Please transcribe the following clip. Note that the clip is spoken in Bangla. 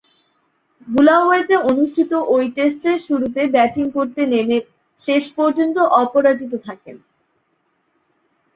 বুলাওয়েতে অনুষ্ঠিত ঐ টেস্টে শুরুতে ব্যাটিং করতে নেমে শেষ পর্যন্ত অপরাজিত থাকেন।